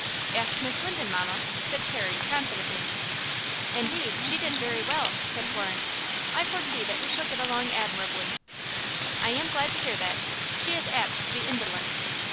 "Ask Miss Linden, mamma," said Carrie, confidently. "Indeed, she did very well," said Florence. "I foresee that we shall get along admirably." "I am glad to hear that. She is apt to be indolent."